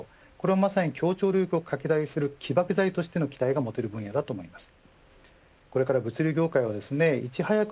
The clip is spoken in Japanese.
これをまさに協調領域を拡大する起爆剤として期待が持てる分野だと思います。